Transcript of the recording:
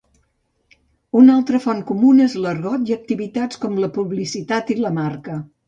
Una altra font comuna és l'argot i activitats com la publicitat i la marca.